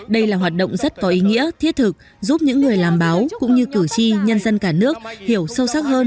đây là hoạt động rất có ý nghĩa thiết thực giúp những người làm báo cũng như cử tri nhân dân cả nước hiểu sâu sắc hơn